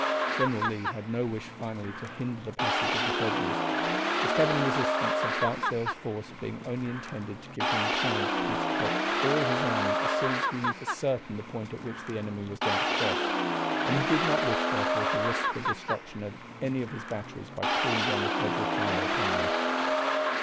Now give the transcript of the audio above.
General Lee had no wish finally to hinder the passage of the Federals, the stubborn resistance of Barksdale's force being only intended to give him time to concentrate all his army as soon as he knew for certain the point at which the enemy was going to cross; and he did not wish, therefore, to risk the destruction of any of his batteries by calling down the Federal fire upon them.